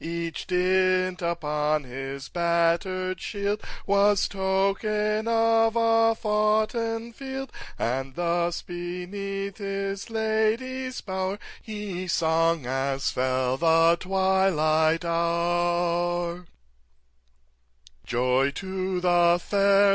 Each dint upon his batter'd shield Was token of a foughten field; And thus, beneath his lady's bower, He sung as fell the twilight hour:— 2. "Joy to the fair!